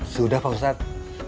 sudah pak ustadz